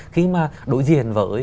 khi mà đối diện với